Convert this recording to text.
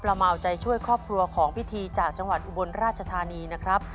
เรามาเอาใจช่วยครอบครัวของพิธีจากจังหวัดอุบลราชธานีนะครับ